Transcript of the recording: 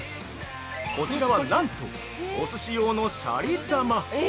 こちらはなんと、おすし用のシャリ玉。